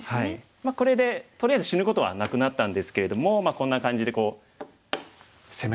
まあこれでとりあえず死ぬことはなくなったんですけれどもこんな感じでこう迫られて。